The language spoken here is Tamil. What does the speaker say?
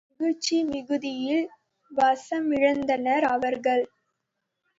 மகிழ்ச்சி மிகுதியில் வசமிழந்தனர் அவர்கள்.